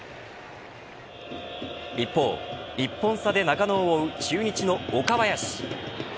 一方、１本差で中野を追う中日の岡林。